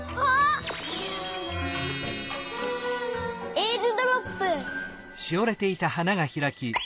えーるドロップ！